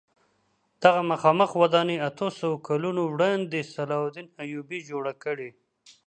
دغه مخامخ ودانۍ اتو سوو کلونو وړاندې صلاح الدین ایوبي جوړه کړې.